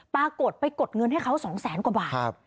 ปรากฏไปกดเงินให้เขา๒แสนกว่าบาท